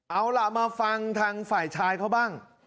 เอาล่ะมาฟังทางฝ่ายชายเขาบ้าง